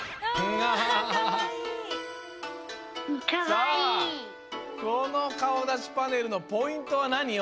さあこのかおだしパネルのポイントはなに？